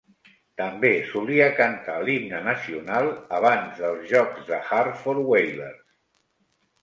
També solia cantar l'himne nacional abans dels jocs de Hartford Whalers.